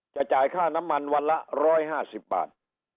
จ่ายค่าน้ำมันวันละ๑๕๐บาท